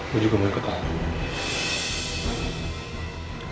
gue juga mau ikut lah